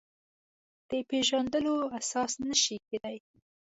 د پېژندلو اساس نه شي کېدای.